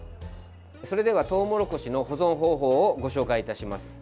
それではトウモロコシの保存方法をご紹介いたします。